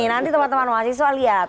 nanti teman teman mahasiswa lihat